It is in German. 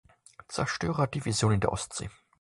Zerstörerdivision in der Ostsee.